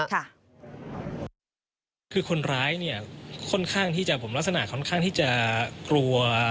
คือคนร้ายเนี่ยผมลักษณะค่อนข้างที่จะกลัว